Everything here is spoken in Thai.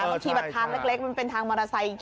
เมื่อกี้บัตรค้าเล็กมันเป็นทางมอเตอร์ไซค์